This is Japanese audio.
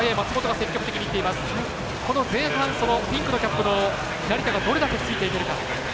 前半ピンクのキャップの成田がどれだけついていけるか。